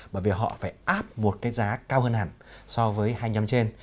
bởi vì họ phải áp một cái giá cao hơn hẳn so với hai nhóm trên